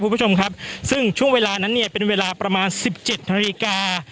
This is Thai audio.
คุณผู้ชมครับซึ่งช่วงเวลานั้นเนี่ยเป็นเวลาประมาณสิบเจ็ดนาฬิกา